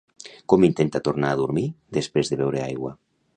Com intenta tornar a dormir després de beure aigua?